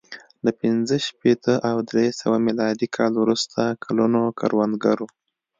له پنځه شپېته او درې سوه میلادي کال وروسته کلو کروندګرو